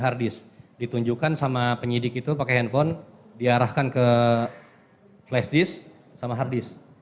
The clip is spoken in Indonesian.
hard disk ditunjukkan sama penyidik itu pakai handphone diarahkan ke flash disk sama hard disk